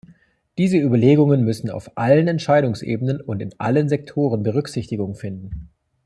Diese Überlegungen müssen auf allen Entscheidungsebenen und in allen Sektoren Berücksichtigung finden.